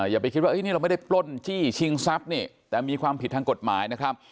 อย่าไปคิดว่านี่เราไม่ได้ปล้นจี้ชิงทรัพย์นี่แต่มีความผิดทางกฎหมายนะครับ